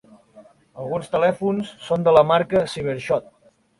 Alguns telèfons són de la marca Cyber-shot.